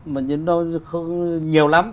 mà nó nhiều lắm